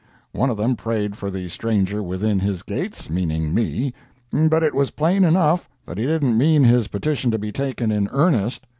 One of them prayed for the stranger within his gates—meaning me—but it was plain enough that he didn't mean his petition to be taken in earnest.